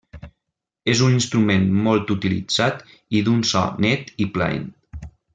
És un instrument molt utilitzat, i d'un so net i plaent.